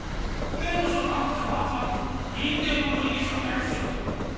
県と市の担当者も集まって認定の取り消しをお願いしようってことんなって。